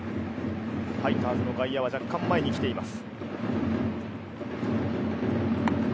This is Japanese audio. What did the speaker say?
ファイターズの外野は若干前に来ています。